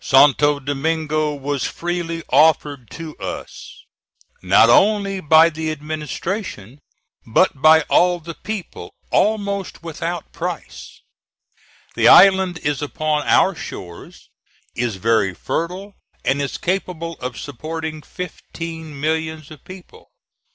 Santo Domingo was freely offered to us, not only by the administration, but by all the people, almost without price. The island is upon our shores, is very fertile, and is capable of supporting fifteen millions of people.